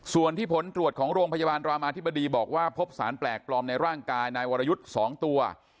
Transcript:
ส่วนที่ผลตรวจของโรงพยาบาลรามาธิบดีบอกว่าพบสารแปลกปลอมในร่างกายนายวรยุทธ์๒ตัว